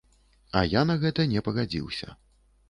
А я на гэта не пагадзіўся.